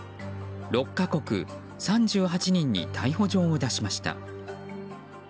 ６か国３８人に逮捕状を出しました。